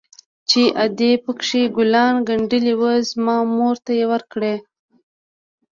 چې ادې پكښې ګلان ګنډلي وو زما مور ته يې وركړي.